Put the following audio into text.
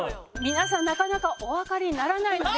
皆さんなかなかおわかりにならないので。